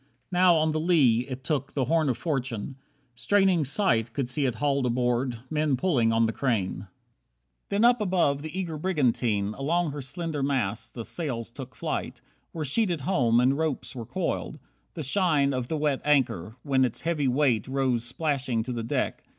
Now on the lee It took the "Horn of Fortune". Straining sight Could see it hauled aboard, men pulling on the crane. 25 Then up above the eager brigantine, Along her slender masts, the sails took flight, Were sheeted home, and ropes were coiled. The shine Of the wet anchor, when its heavy weight Rose splashing to the deck.